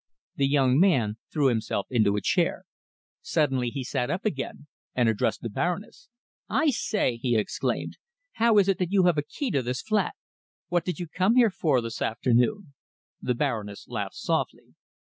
The young man threw himself into a chair. Suddenly he sat up again, and addressed the Baroness. "I say," he exclaimed, "how is it that you have a key to this flat? What did you come here for this afternoon?" The Baroness laughed softly.